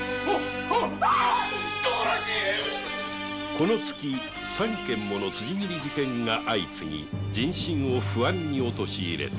この月三件もの辻斬り事件が相次ぎ人心を不安に陥れた